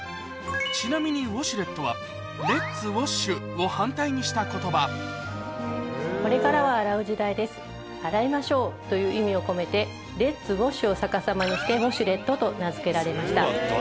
ちなみにウォシュレットはレッツ・ウォッシュを反対にした言葉という意味を込めてレッツ・ウォッシュを逆さまにしてウォシュレットと名付けられました。